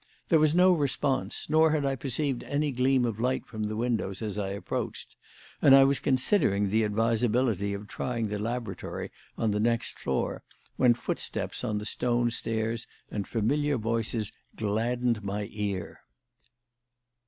There was no response, nor had I perceived any gleam of light from the windows as I approached, and I was considering the advisability of trying the laboratory on the next floor, when footsteps on the stone stairs and familiar voices gladdened my ear.